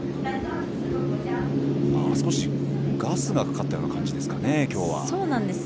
少しガスがかかったような感じですかね、今日は。